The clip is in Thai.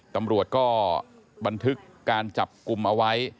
ตำรวจก็บันทึกการจับกลุ่มเอาไว้